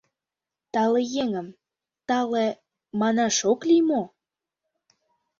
Тале еҥым «тале» манаш ок лий мо?